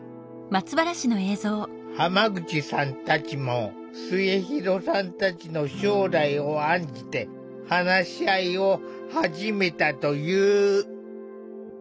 浜口さんたちも末弘さんたちの将来を案じて話し合いを始めたという。